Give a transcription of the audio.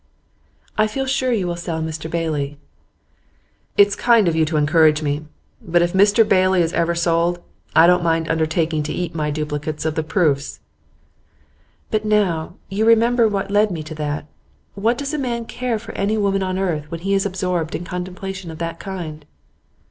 'I feel sure you will sell "Mr Bailey."' 'It's kind of you to encourage me; but if "Mr Bailey" is ever sold I don't mind undertaking to eat my duplicate of the proofs.' 'But now, you remember what led me to that. What does a man care for any woman on earth when he is absorbed in contemplation of that kind?